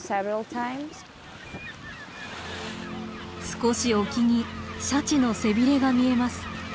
少し沖にシャチの背びれが見えます。